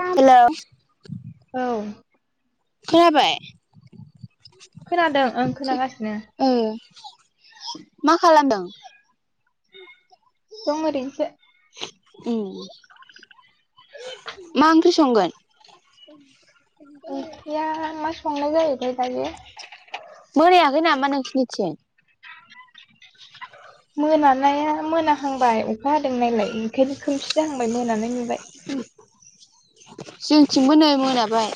हेल' औ खोनाबाय खोनादों ओं खोनागासिनो। ओ मा खालामदों? दं ओरैनोसै ओम मा ओंख्रि संगोन? उ ओंख्रिया मा संनाय जायोथाय दायो मोनायाखै नामा नोंसोरनिथि [unintelligible] मोनानाया मोनाहांबाय अखा हादों नायलाय ओंखायनो खोमसि जाहांबाय मोनानाय नुबाय। [unintelligible] जोंथिंबो नै मोनाबाय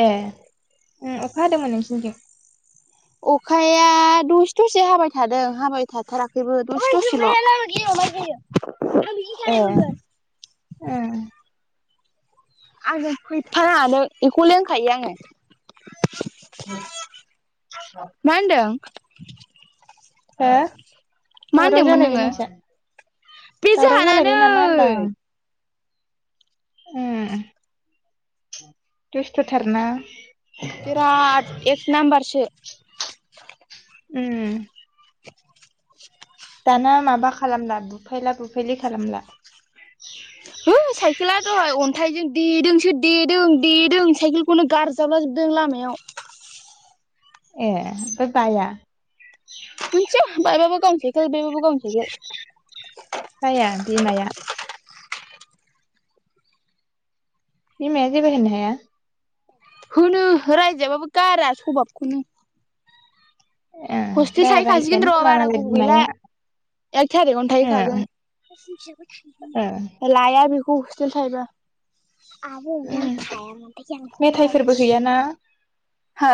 ए अखा हादोंमोन नोंसिनिथिं? अखाया दसे दसे हाबाय थादों हाबाय थाथाराखैबो द'से दसेल' ए [inaudible] उम आङो फैफानाङा नों बेखौले लोंखायो आङो [unintelligible] मा होनदों? हो मा दावराव होनदोंमोन जालायबाय नोङो नोंसोर बे दावराव जोंहानानै जालायबाय नामा होनदां? ओम दुस्थ' थारना बिरात एक नाम्बारसो उम [unintelligible] दाना माबा खालामला बुफैला बुफायलि खालामला हो साइकेला दहाय अन्थाइजों देदोंसो देदों देदों साइकेल खुनु गारजाबलाजोबदों लामायाव ए बे बाया मोनथिया बायबा गाव खालि बे बाव जाया बिमाया बिमाया जेबो होननो हाया? ओ रायजायाबाबो गारा सभाबखौनो ए हस्तेल बारा थाहोयखासिगोन रायखायानो र' खोमा बारा मालाय गोबाव गैला। बिमाया एक थारिकावनो ए थाहैखागोन। ओ लाया बेखौ हस्टेल थायोबा आब' दं उम थाया माथोआं [unintelligible] मेथाइफोरबो हैयाना हा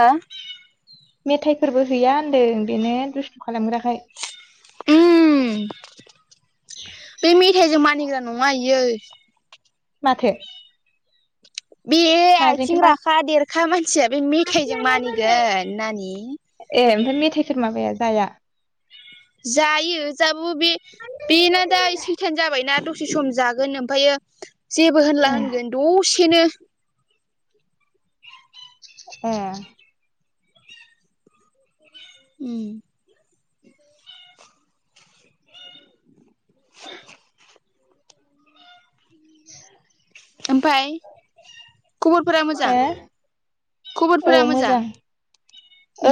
मेथाइफोरबो हैया होन्दों बेनो दुस्थु खालामग्राखाय उम बे मेथाइजों मानिग्रा नङा इयो माथो बे आथिं माजोंथो मा राखा देरखा मानसिया बे मेथाइजों मानिगोन नानि ए ओमफ्राय मेथाइफोर माबाया जाया? जायो जाबाबो बे बेना दा सैथान जाबायना दसे सम जागोन ओमफायो जेबो होनला ए होनगोन दसेनो ए उम [inaudible] [inaudible] ओमफाय खबरफोरा मोजां ए खबरफोरा मोजां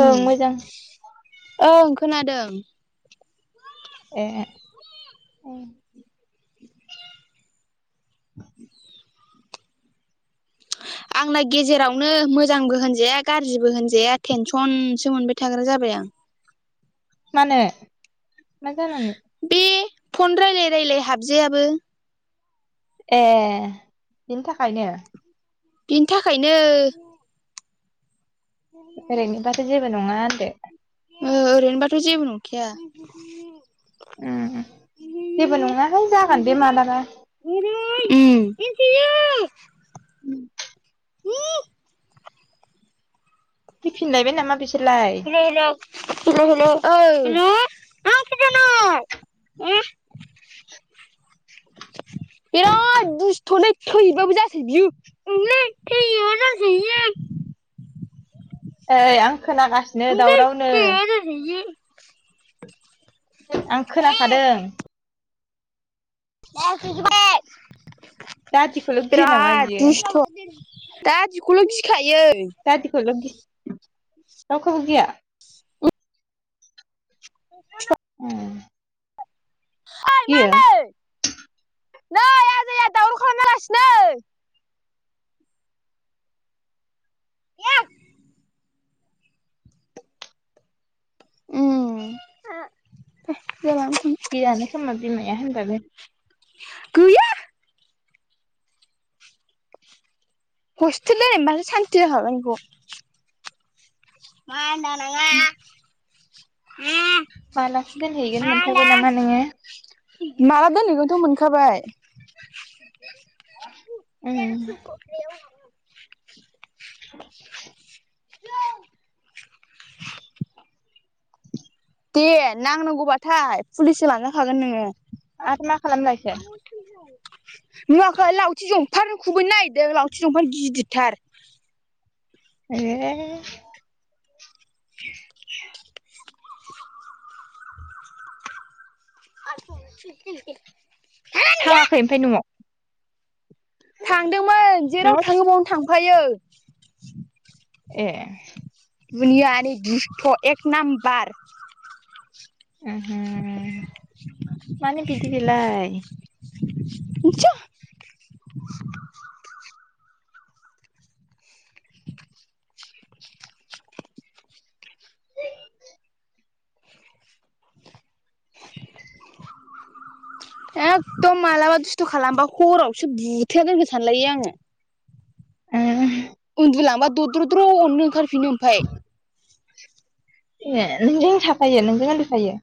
उम ओं मोजां ओं खोनादों ए [inaudible] [inaudible] आंलाय गेजेरावनो मोजांबो होनजाया गारज्रिबो होनजाया टेनसनसो मोनबाय थाग्रा जाबाय आं मानो मा जानानै? बे फन रायलाय रायलाय हाबजायाबो ए बिनि थाखायनो बिनि थाखायनो ओरैनोबाथ जेबो नङा होनदो ओ ओरैनोबाथ जेबो नंखाया उम जेबो नङाहाय जागोन बे मालाबा [unintelligible] उम [unintelligible] [inaudible] [unintelligible] फैफिनलायबाय नामा बिसोरलाय [unintelligible] मा ओंख्रि जानाय [unintelligible] बिराद दुस्थलै थैबाबो जासै बियो ओंलै थैबाबो जासै बियो ओइ आं खोनागासिनो दावरावनो [unintelligible] आं खोनाखादों [unintelligible] दादिखौल' गियो नामा बेराद बियो दुसथ दादिखौल गिखायो दादिखौल गि रावखैबो गिया [unintelligible] [inaudible] [unintelligible] गियो नै आजाया दावराव खालामलागासिनो उम गियानो खोमा बिमाया होनबाबो गैया हस्थेल दोननाय मोनबासो सान्थि जाखागोन इखौ मा होनदों नोङो उम मालासो दोनहैगोन मोनथारबाय नामा नोङो माला दोनहैगोनथ मोनखाबाय उम [unintelligible] दे नांनांगौबाथाय पुलिसजों लांजा खागोन नोङो। आरो मा खालामलायखो? नुवाखै लावथि जंफारजों खुबैनो नागिरदों लावथि जंफार गिदिरथार ए [unintelligible] थाङाखै ओमफ्राय नआव थांदोंमोन जेराव न'आव था थाङो बावनो थांफायो ए दुनियानि दुस्थ' एक नाम्बार उमहु माने बिदि बिलाय मिथिया एखदम मालाबा दुस्थ' खालामबा हरावसो बुथेना दोनगोन सानलायो आङो। उमह उन्दुलांबा दद्र'द्र' अननो ओंखारफिनो ओमफाय ए नोंजों थाफायो नोंजों ओन्दुफायो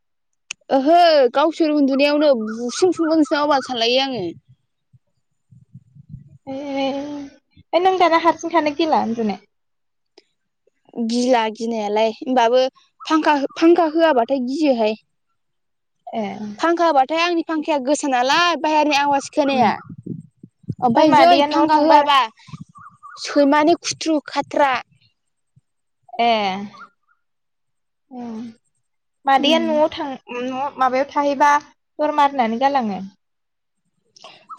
ओहो गावसोर उन्दुनायावनो बुसिन बुसिन बुनोसै नामा बाल सानलायो आङो। ए नों दाना हारसिं थानो गिला उन्दुनो गिला गिनायालाय होनबाबो फांखा फांखा होआबाथाय गियोहाय ए फांखा होबाथाय आंनि फांखाया गोसा नालाय बा हेरनि आवाज खोनाया ओमफ्राय ओमफाय जै मादैया न'आव फांखा थांबा होआबा सैमानि खुथ्रु खाथ्रा ए मादैया उम न'आव थां न' माबायाव थाहैबा दर मारिनानै गालाङो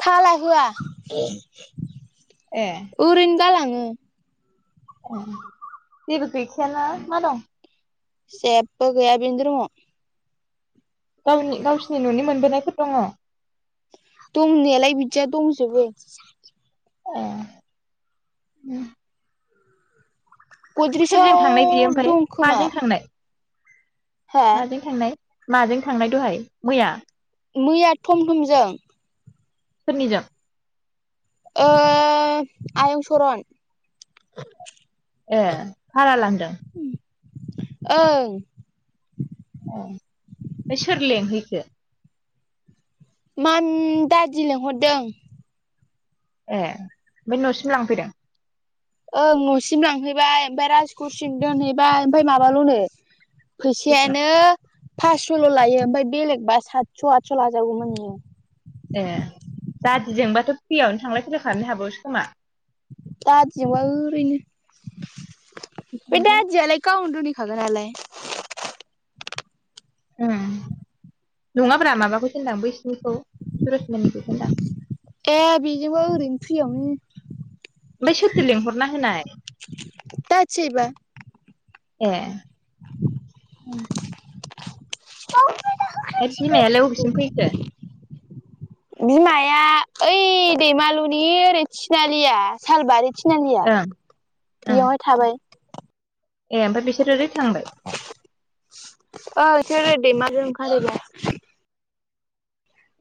थाला होआ ए ओरैनो गालाङो जेबो गैखायाना मा दं जेब्बो गैया बेनि रुमाव गावनि गावसिनि न'नि मोनबोनायफोर दङ। दंनायालाय बिदिया दंजोबो। अ सोरजों गद्रेसाव थांनाय बियो ओमफ्राय दंखोमा माजों थांनाय माजों थांनाय माजों थांनाय दहाय मैया? मैया थम थमजों। सोरनिजों? ए आयं सरन। ए भारा लांदों? ओं अ फाय सोर लेंहैखो? मान दादि लिंहरदों। ए ओमफ्राय न'सिम लांफैदों? ओं न'सिम लांफैबाय ओमफ्राय रासघरसिम दोनहैबाय ओमफ्राय माबाल'नो बेसेबां फैसायानो पासस'ल' लायो ओमफ्राय बेलेगबा सातस' आदस' लाजागौमोन नोङो ए दादिजोंबाथ' फ्रियावनो थांलाय फैलाय खालामनो हाबावोसो खोमा दादिजोंबा ओरैनो बे दादियालाय गावनो दोनहैखागोन नालाय ओम नङाब्रा माबाखौसो होनदां बैसिनिखौ सुरसमनिखौसो होनदां। ए बेजोंबो ओरैनो फ्रियावनो ओमफ्राय सोरथो लिंहरना होनाय दाथिजायोबा ए उम बे बिमायालाय अबेसिम फैखो? बिमाया ओइ दैमालुनि ओरै थिनालिया सालबारि थि थिनालिया ओं ओं बेयावहाय थाबाय। ए ओमफ्राय बिसोर ओरै थांबाय? अ इसोरो दैमालुजों ओंखारहैबाय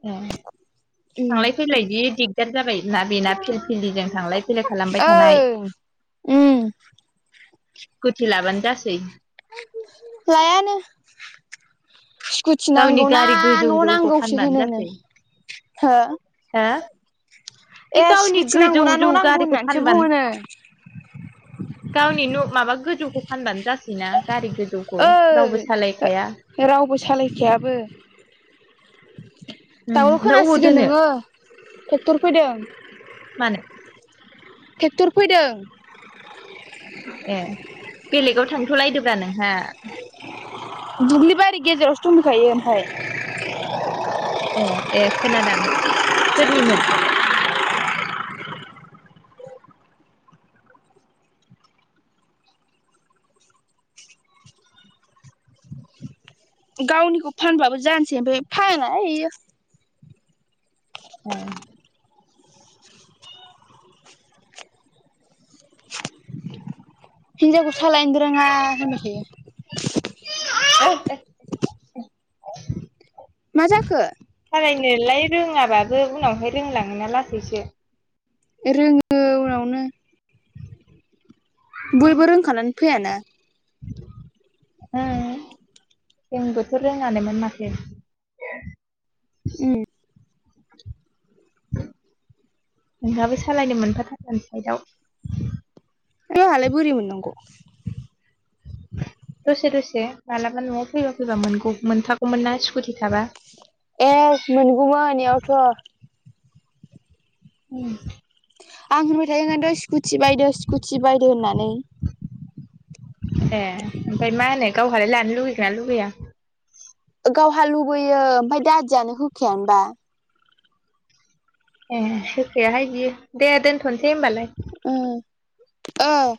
ए थांलाय फैलाय जि दिगदार जाबाय ना बेना ओं फिल फिलिजों थांलाय फैलाय खालामबाय ओं थानाय उम स्कुटि लाबानो जासै। लायानो स्कुटि गावनि नांगौ ना गारि गोजौ न' जौखौ नांगौसो फानबानो होनो नो जासै हो हो बे ए गावनि स्कुटि गोजौ नांगौना न' जौ नांगौ गारिखौ होननानैसो फानबानो बुङोनो गावनि न' माबा गोजौखौ फानबानो जासैना गारि गोजौखौ ओइ रावबो सालायखाया। रावबो सालायखायाबो उम दावराव ओमफ्राय अबाव खोनासिगोन दोनो नोङो ट्रेक्टर फैदों मानो ट्रेक्टर फैदों ए बेलेगाव थांथ'लायदोब्रा नोंहा दुब्लि बारि गेजेरावसो दंहैखायो ओमफ्राय ए ए खोनादों सोरनिमोन गावनिखौ फानबाबो जानोसै ओमफ्राय फानाहाय इयो औ हिनजावखौ सालायनो रोङा होनबाय थायो। [inaudible] मा जाखो सालायनोलाय रोङाबाबो उनावहाय रोंलाङोना लासैसो रोङो उनावनो बयबो रोंखानानै फैयाना ओम जोंबोथ' रोङानोमोन माथो। ओम नोंहाबो सालायनो मोनफाथारगोन साइदाव जोंहालाय बोरै मोननांगौ। दसे दसे मालाबा न'आव फैबा फैबा मोनगौ मोनखागौमोन ना स्कुटि थाबा ए मोनगौमोन इयावथ' उम आं होनबाय थायो ओंखायथ' स्कुटि बायदो स्कुटि बायदो होननानै। ए ओमफ्राय मा होनो गावहालाय लानो लुगैगोनना लुगैया? गावहा लुबैयो ओमफाय दादियानो होखायानोबा। ए होखायाहाय बियो दे दोनथ'नोसै होनबालाय ओम औ